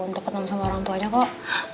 untuk ketemu sama orang tuanya kok